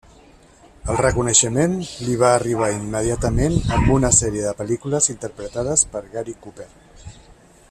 El reconeixement li va arribar immediatament amb una sèrie de pel·lícules interpretades per Gary Cooper.